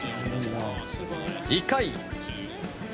１回。